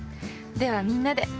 ではみんなで。